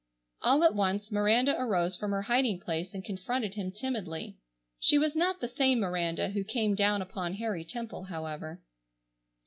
All at once Miranda arose from her hiding place and confronted him timidly. She was not the same Miranda who came down upon Harry Temple, however.